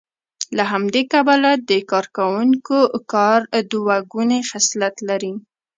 له همدې کبله د کارکوونکو کار دوه ګونی خصلت لري